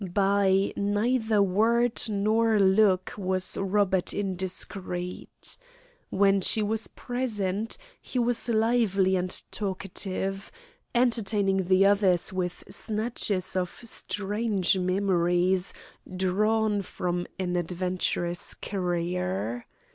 By neither word nor look was Robert indiscreet. When she was present he was lively and talkative, entertaining the others with snatches of strange memories drawn from an adventurous career.